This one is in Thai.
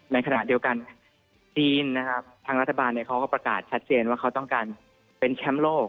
ในขณะเดียวกันจีนนะครับทางรัฐบาลเขาก็ประกาศชัดเจนว่าเขาต้องการเป็นแชมป์โลก